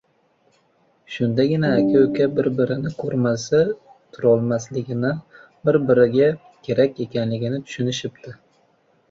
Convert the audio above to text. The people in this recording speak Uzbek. Shundagina aka-uka bir-birini ko‘rmasa turolmasligini, bir- biriga kerak ekanligini tushunishibdi.